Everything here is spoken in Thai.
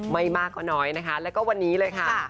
ไม่มากกว่าน้อยและก็วันนี้เลยค่ะ